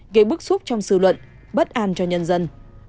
gây bức xúc trong dư luận bất an cho nhân dân